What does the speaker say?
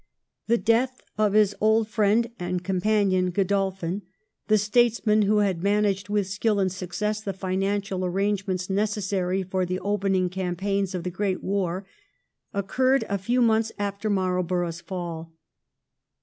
The death of his old friend and companion Godolphin, the statesman who had managed with skill and success the financial arrangements necessary for the opening campaigns of the great war, occurred a few months after Marlborough's fall.